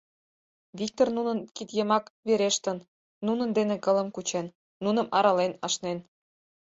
Виктор нунын кид йымак верештын, нунын дене кылым кучен, нуным арален ашнен.